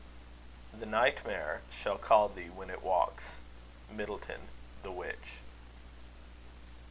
The Nightmare Shall call thee when it walks. MIDDLETON. The Witch.